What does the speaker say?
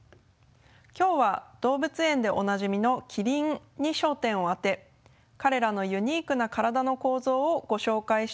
今日は動物園でおなじみのキリンに焦点を当て彼らのユニークな体の構造をご紹介していきたいと思います。